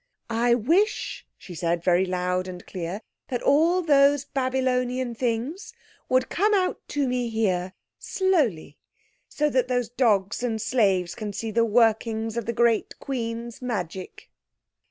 "I wish," she said, very loud and clear, "that all those Babylonian things would come out to me here—slowly, so that those dogs and slaves can see the working of the great Queen's magic."